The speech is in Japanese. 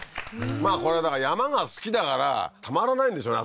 まあこれだから山が好きだからたまらないんでしょうね